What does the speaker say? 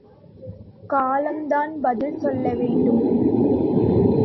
காலம்தான் பதில் சொல்ல வேண்டும்.